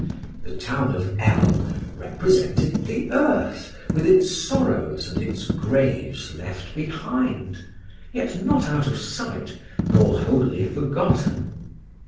The town of L—— represented the earth, with its sorrows and its graves left behind, yet not out of sight, nor wholly forgotten.